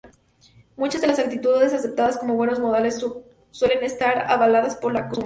Muchas de las actitudes aceptadas como "buenos modales" suelen estar avaladas por la costumbre.